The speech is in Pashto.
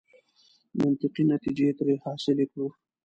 منطقي نتیجې ترې حاصلې کړو.